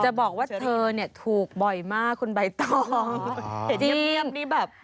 จะบอกว่าเธอนี่ถูกบ่อยมากคุณใบตอง